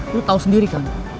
lo tau sendiri kan